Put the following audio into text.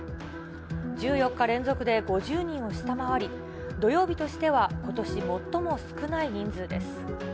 １４日連続で５０人を下回り、土曜日としてはことし最も少ない人数です。